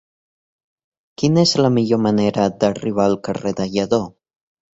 Quina és la millor manera d'arribar al carrer de Lledó?